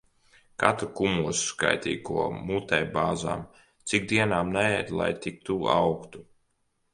Katru kumosu skaitīja, ko mutē bāzām. Cik dienām neēdu, lai tik tu augtu.